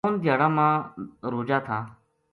اُنھ دھیاڑاں ما روجا تھا